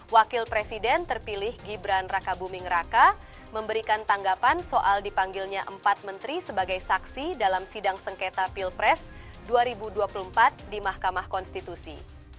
wakil presiden terpilih gibran raka buming raka memberikan tanggapan soal dipanggilnya empat menteri sebagai saksi dalam sidang sengketa pilpres dua ribu dua puluh empat di mahkamah konstitusi